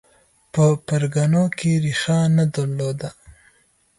په پرګنو کې ریښه نه درلوده